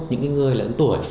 những người lớn tuổi